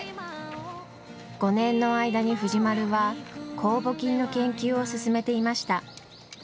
５年の間に藤丸は酵母菌の研究を進めていました。